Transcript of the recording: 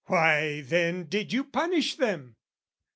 Why then did you punish them?